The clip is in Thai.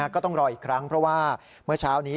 ก็ต้องรออีกครั้งเพราะว่าเมื่อเช้านี้